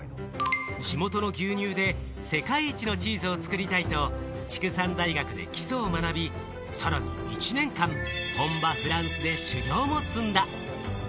地元の牛乳で世界一のチーズを作りたいと畜産大学で基礎を学び、さらに１年間、本場フランスで修業も積んだ。